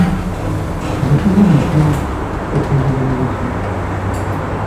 J’ai toujours un plan, répondit l’Américain.